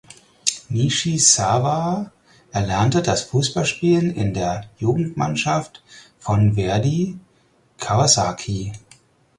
Nishizawa erlernte das Fußballspielen in der Jugendmannschaft von Verdy Kawasaki.